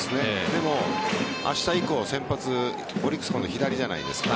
でも、明日以降先発オリックスは今度左じゃないですか。